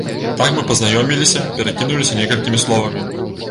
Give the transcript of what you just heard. Так мы пазнаёміліся, перакінуліся некалькімі словамі.